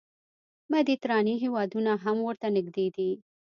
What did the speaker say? مدیترانې هېوادونه هم ورته نږدې دي.